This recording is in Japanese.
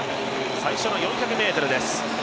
最初の４００ｍです。